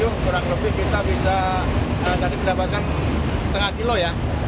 kurang lebih kita bisa dari pendapatan setengah kilo ya